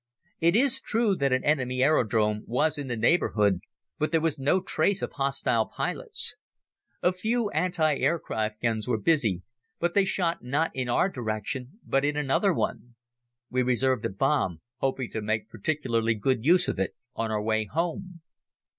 It is true that an enemy aerodrome was in the neighborhood but there was no trace of hostile pilots. A few anti aircraft guns were busy, but they shot not in our direction but in another one. We reserved a bomb hoping to make particularly good use of it on our way home.